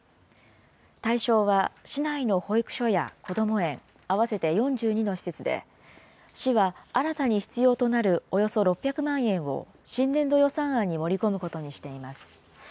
対象は、市内の保育所やこども園、合わせて４２の施設で、市は新たに必要となるおよそ６００万円を新年度予算案に盛り込むことにしています。